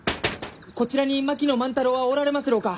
こちらに槙野万太郎はおられますろうか？